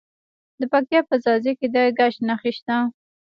د پکتیا په ځاځي کې د ګچ نښې شته.